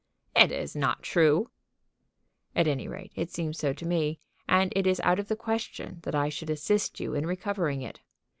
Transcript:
"It is not true." "At any rate it seems so to me; and it is out of the question that I should assist you in recovering it.